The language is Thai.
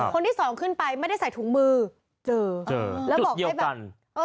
คนที่สองขึ้นไปไม่ได้ใส่ถูกมือเจอ